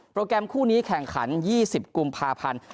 แกรมคู่นี้แข่งขัน๒๐กุมภาพันธ์